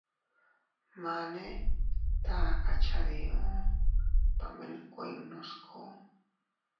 Mane taka cha diu, tomen kuinnu sku.